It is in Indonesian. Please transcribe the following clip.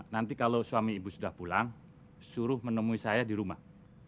nanti kalau suami ibu sudah pulang suruh menemui saya di rumah